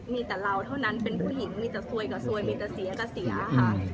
มีแต่เราเท่านั้นเป็นผู้หญิงมีแต่ซวยกับซวยมีแต่เสียก็เสียค่ะ